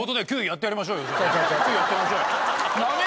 やってやりましょう。